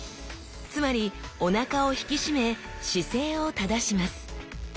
つまりおなかを引き締め姿勢を正します。